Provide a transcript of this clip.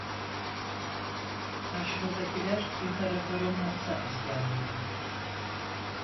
Karşımızdakiler İmparator'un hassa askerleriydi.